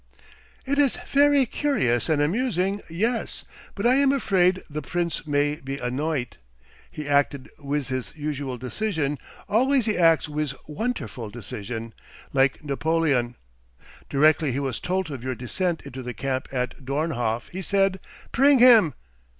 "It is fery curious and amusing, yes: but I am afraid the Prince may be annoyt. He acted wiz his usual decision always he acts wiz wonterful decision. Like Napoleon. Directly he was tolt of your descent into the camp at Dornhof, he said, 'Pring him!